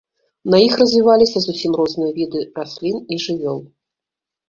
На іх развіваліся зусім розныя віды раслін і жывёл.